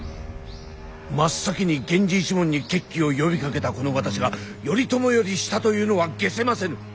真っ先に源氏一門に決起を呼びかけたこの私が頼朝より下というのは解せませぬ。